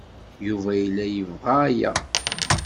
Yuba yella yebɣa aya.